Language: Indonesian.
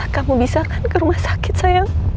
kamu bisa ke rumah sakit sayang